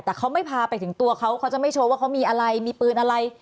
แต่เขาไม่พาไปถึงตัวเขาเขาจะไม่โชว์ว่าเขามีอะไรมีปืนอะไร